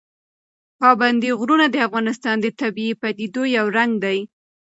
پابندی غرونه د افغانستان د طبیعي پدیدو یو رنګ دی.